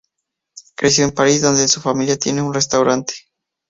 Creció en París donde su familia tiene un restaurante.